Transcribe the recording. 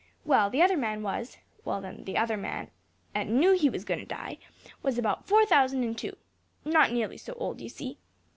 Well, the other man was well, then, the other man 'at knew he was going to die, was about four thousand and two; not nearly so old, you see."